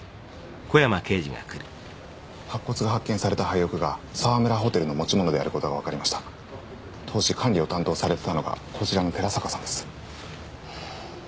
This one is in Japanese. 白骨が発見された廃屋が沢村ホテルの持ち物であることが分かりました当時管理を担当されてたのがこちらの寺坂さんです